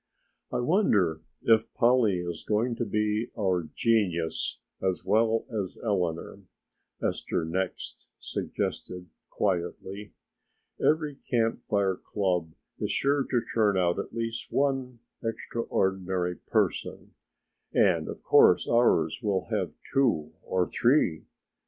"I wonder if Polly is going to be our genius as well as Eleanor," Esther next suggested quietly, "every Camp Fire club is sure to turn out at least one extraordinary person and of course ours will have two or three."